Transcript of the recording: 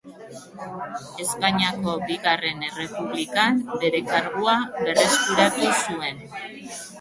Espainiako Bigarren Errepublikan bere kargua berreskuratu zuen.